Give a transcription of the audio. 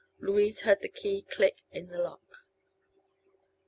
Louise heard the key click in the lock.